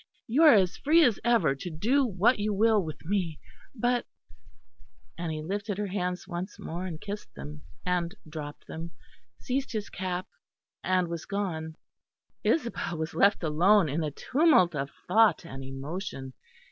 You are as free as ever to do what you will with me. But," and he lifted her hands once more and kissed them, and dropped them; seized his cap and was gone. Isabel was left alone in a tumult of thought and emotion.